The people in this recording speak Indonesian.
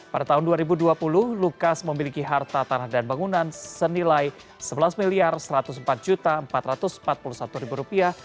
pada tahun dua ribu dua puluh lukas memiliki harta tanah dan bangunan senilai sebelas satu ratus empat empat ratus empat puluh satu rupiah